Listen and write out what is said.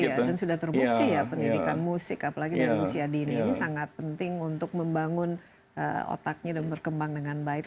dan sudah terbukti ya pendidikan musik apalagi dari usia dini ini sangat penting untuk membangun otaknya dan berkembang dengan baik